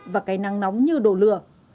và cây năng nóng như đồ lửa